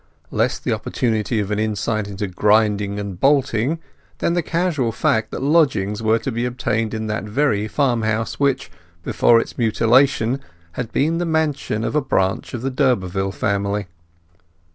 Less the opportunity of an insight into grinding and bolting than the casual fact that lodgings were to be obtained in that very farmhouse which, before its mutilation, had been the mansion of a branch of the d'Urberville family.